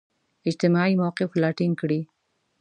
اجتماعي موقف لا ټینګ کړي.